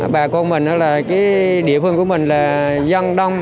bà con mình địa phương của mình là dân đông